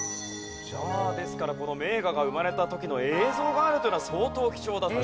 ですからこの名画が生まれた時の映像があるというのは相当貴重だという。